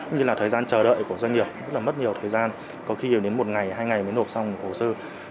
như là thời gian chờ đợi của doanh nghiệp rất là mất nhiều thời gian có khi hiểu đến một ngày hai ngày mới nộp xong hồ sơ